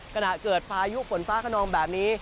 ขณะเกิดพายุฝนฟ้าขนองแบบนี้